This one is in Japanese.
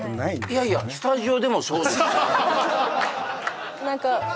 いやいやスタジオでもそうですよ